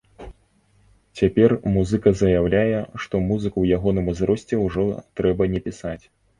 Цяпер музыка заяўляе, што музыку ў ягоным узросце ўжо трэба не пісаць.